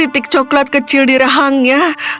titik coklat kecil di rahangnya